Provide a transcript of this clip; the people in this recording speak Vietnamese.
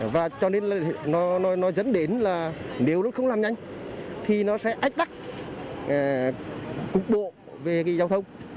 và cho nên nó dẫn đến là nếu nó không làm nhanh thì nó sẽ ách vắc cục bộ về giao thông